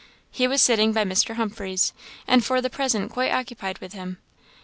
He was sitting by Mr. Humphreys, and for the present quite occupied with him.